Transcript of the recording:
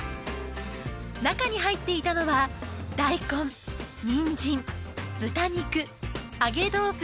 中に入っていたのは大根にんじん・豚肉・揚げ豆腐